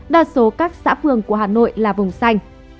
đa số các xã phường của hà nội là vùng xanh